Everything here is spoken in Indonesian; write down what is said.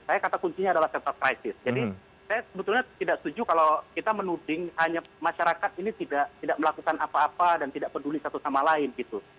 saya kata kuncinya adalah set of crisis jadi saya sebetulnya tidak setuju kalau kita menuding hanya masyarakat ini tidak melakukan apa apa dan tidak peduli satu sama lain gitu